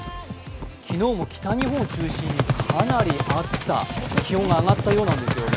昨日も北日本を中心にかなり暑さ、気温が上がったようなんですね。